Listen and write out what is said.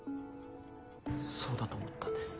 そうだと思ったんです。